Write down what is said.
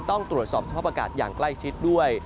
ต้องตรวจสอบสภาพอากาศอย่างใกล้ชิดด้วย